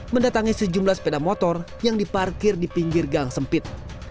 mendatangi sejumlah sepeda motor yang diparkir di pinggir gang sempit